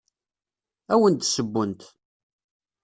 Ad awen-d-ssewwent.